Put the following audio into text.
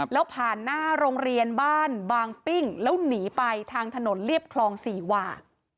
แล้วผ่านหน้าโรงเรียนบ้านบางปิ้งแล้วหนีไปทางถนนเรียบคลองสี่หว่า